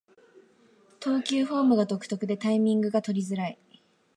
投球フォームが独特でタイミングが取りづらい